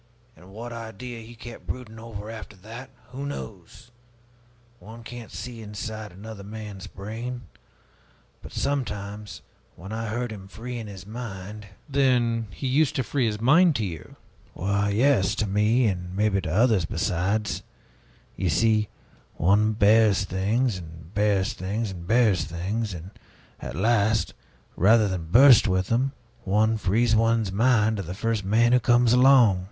And what idea he kept brooding over, after that, who knows? One can't see inside of another man's brain. But sometimes, when I heard him freeing his mind " "Then he used to free his mind to you?" "Why, yes, to me, and maybe to others besides. You see, one bears things and bears things and bears things; and at last, rather than burst with them, one frees one's mind to the first man who comes along."